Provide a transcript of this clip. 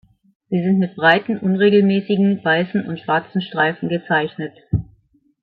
Sie sind mit breiten, unregelmäßigen weißen und schwarzen Streifen gezeichnet.